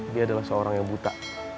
dia adalah seorang yang buta